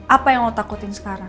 apa yang mau takutin sekarang